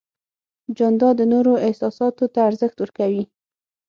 جانداد د نورو احساساتو ته ارزښت ورکوي.